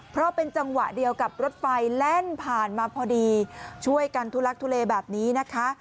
เพราะเป็นจังหวะเดียวกับรถไฟแล่นผ่านมาพอดีช่วยกันทุลักทุเลแบบนี้นะคะ